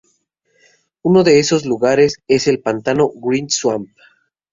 Uno de esos lugares es el pantano Green Swamp.